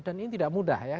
dan ini tidak mudah ya